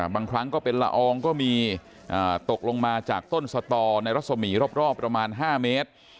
บางครั้งก็เป็นละอองก็มีตกลงมาจากต้นสตอในรัศมีร์รอบประมาณ๕เมตร